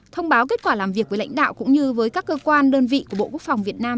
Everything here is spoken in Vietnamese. thông báo kết quả làm việc với lãnh đạo cũng như với các cơ quan đơn vị của bộ quốc phòng việt nam